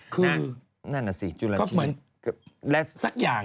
คือก็เหมือนสักอย่างนึงนะครับนั่นน่ะสิจุลชีพ